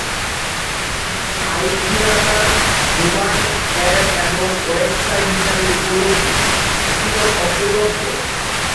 I theatre mobile app এবং website হিসেবে উপলব্ধ।